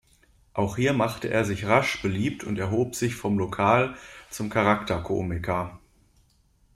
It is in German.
Auch hier machte er sich rasch beliebt und erhob sich vom Lokal- zum Charakterkomiker.